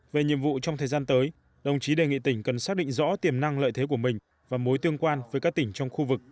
về nhiệm vụ trong thời gian tới đồng chí đề nghị tỉnh cần xác định rõ tiềm năng lợi thế của mình và mối tương quan với các tỉnh trong khu vực